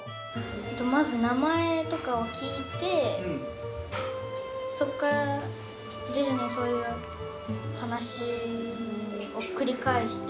まず名前とかを聞いて、そこから徐々にそういう話を繰り返して。